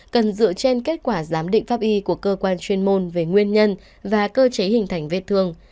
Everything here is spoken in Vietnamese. cần dựa trên kết quả giám định pháp y của cơ quan chuyên môn về nguyên nhân và cơ chế hình thành vết thương